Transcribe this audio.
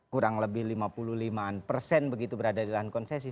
kurang lebih lima puluh lima an persen begitu berada di lahan konsesi